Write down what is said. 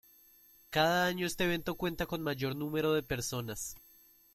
Cada año este evento cuenta con mayor número de personas.